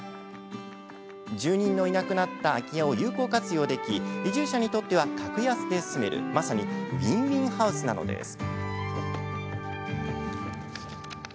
住人のいなくなった空き家を有効活用でき移住者にとっては格安で住めるまさにウィンウィンハウスなのです。